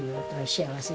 幸せ？